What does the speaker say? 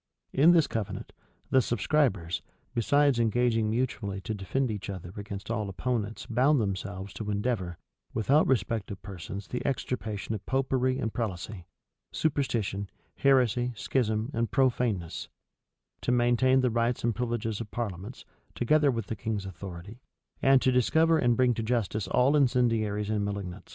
In this covenant, the subscribers, besides engaging mutually to defend each other against all opponents bound themselves to endeavor, without respect of persons the extirpation of Popery and prelacy, superstition, heresy, schism, and profaneness; to maintain the rights and privileges of parliaments, together with the king's authority, and to discover and bring to justice all incendiaries and malignants.